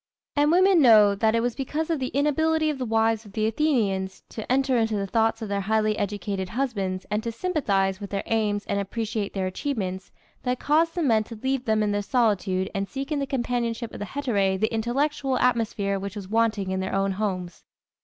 And women know that it was because of the inability of the wives of the Athenians to enter into the thoughts of their highly educated husbands and to sympathize with their aims and appreciate their achievements that caused the men to leave them in their solitude and seek in the companionship of the hetæræ the intellectual atmosphere which was wanting in their own homes.